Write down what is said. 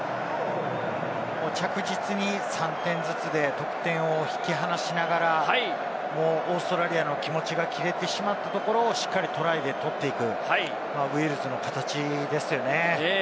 着実に３点ずつで点を引き離しながら、もうオーストラリアの気持ちが切れてしまったところを、しっかりとトライで取っていくウェールズの形ですよね。